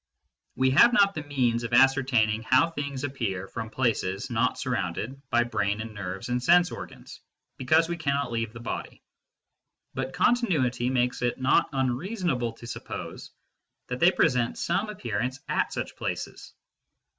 We have not the means of ascertaining how things appear from places not surrounded by brain and nerves and sense organs, br cause we cannot leave the body ; but continuity makes it not unreasonable to suppose that they present some appearance at such places.